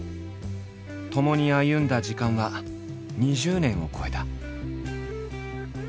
ともに歩んだ時間は２０年を超えた。